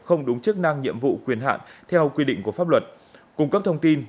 không đúng chức năng nhiệm vụ quyền hạn theo quy định của pháp luật cung cấp thông tin